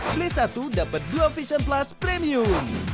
beli satu dapet dua vision plus premium